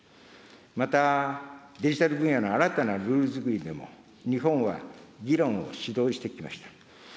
またデジタル分野の新たなルールづくりでも、日本は議論を主導してきました。